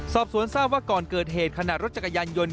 สอบสวนทราบว่าก่อนเกิดเหตุขณะรถจักรยานยนต์